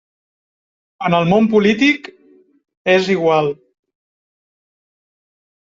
En el món polític és igual.